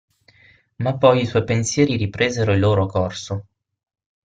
Ma poi i suoi pensieri ripresero il loro corso.